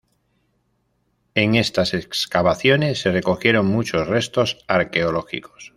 En estas excavaciones se recogieron muchos restos arqueológicos.